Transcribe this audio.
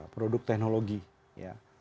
produk teknologi ya